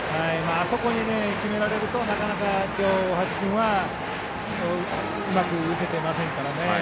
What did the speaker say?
あそこに決められるとなかなか、きょうは大橋君うまく打てていませんからね。